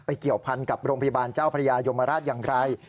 เกี่ยวพันกับโรงพยาบาลเจ้าพระยายมราชอย่างไร